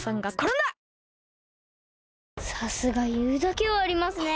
さすがいうだけはありますね。